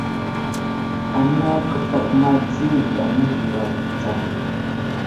Ana kəfakuma di ba nəvəlakw tsa.